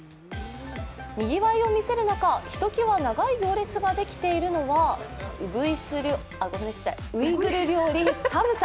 にぎわいを見せる中、ひときわ長い行列ができているのはウイグル料理、サムサ。